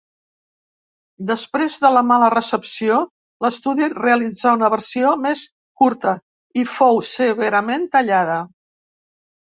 Després de la mala recepció, l'estudi realitzà una versió més curta, i fou severament tallada.